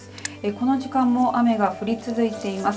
この時間も雨が降り続いています。